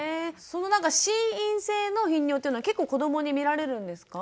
そのなんか心因性の頻尿というのは結構子どもに見られるんですか？